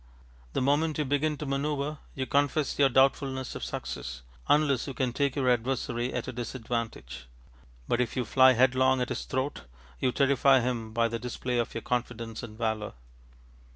The moment you begin to man┼ōuvre you confess your doubtfulness of success, unless you can take your adversary at a disadvantage; but if you fly headlong at his throat, you terrify him by the display of your confidence and valour.